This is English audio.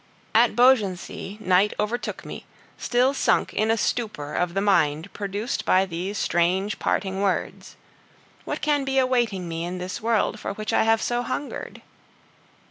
At Beaugency night overtook me, still sunk in a stupor of the mind produced by these strange parting words. What can be awaiting me in this world for which I have so hungered?